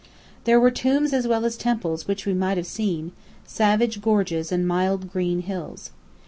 There were tombs as well as temples which we might have seen, savage gorges and mild green hills.